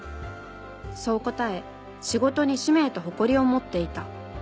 そう答え仕事に使命と誇りを持っていた。